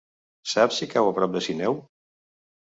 Saps si cau a prop de Sineu?